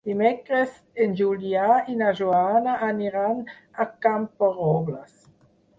Dimecres en Julià i na Joana aniran a Camporrobles.